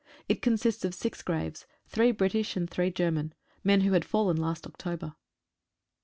It consists of six graves — three British and three German — men who had fallen last October.